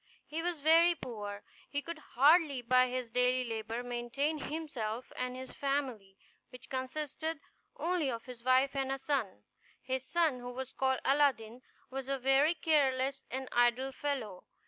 He was very poor. He could hardly, by his daily labor, maintain himself and his family, which consisted only of his wife and a son. His son, who was called Aladdin, was a very careless and idle fellow.